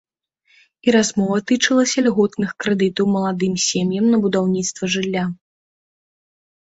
І размова тычылася льготных крэдытаў маладым сем'ям на будаўніцтва жылля.